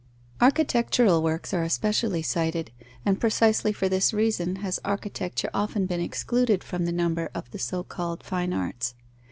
Architectural works are especially cited; and precisely for this reason, has architecture often been excluded from the number of the so called fine arts.